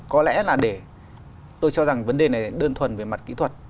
có lẽ là để tôi cho rằng vấn đề này đơn thuần về mặt kỹ thuật